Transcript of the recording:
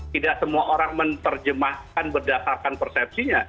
tidak semua orang menerjemahkan berdasarkan persepsinya